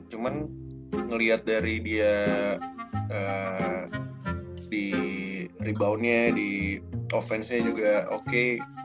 cuman ngeliat dari dia di reboundnya di offense nya juga oke